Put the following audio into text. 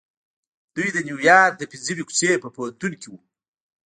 دوی د نيويارک د پنځمې کوڅې په پوهنتون کې وو.